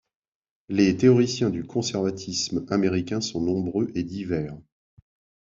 Les théoriciens du conservatisme américains sont nombreux et divers.